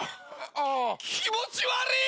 気持ち悪い！